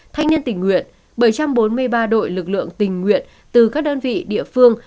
thanh niên tình nguyện bảy trăm bốn mươi ba đội lực lượng tình nguyện từ các đơn vị địa phương